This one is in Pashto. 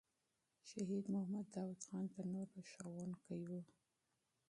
شهید محمد داود خان تر نورو ښوونکی وو.